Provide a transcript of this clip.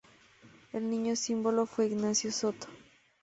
El niño símbolo fue Ignacio Soto.